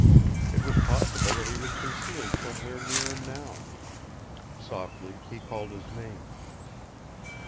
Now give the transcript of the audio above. It was possible that he was concealed somewhere near him now. Softly he called his name.